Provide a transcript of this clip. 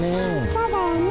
そうだね。